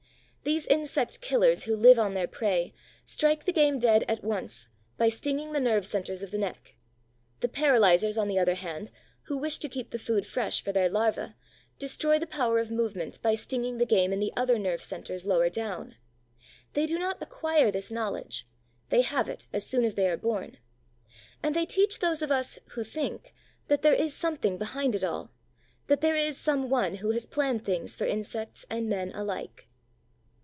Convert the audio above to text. These insect killers, who live on their prey, strike the game dead at once by stinging the nerve centers of the neck; the paralyzers, on the other hand, who wish to keep the food fresh for their larvæ, destroy the power of movement by stinging the game in the other nerve centers, lower down. They do not acquire this knowledge, they have it as soon as they are born. And they teach those of us who think that there is something behind it all, that there is Some One who has planned things for insects and men alike.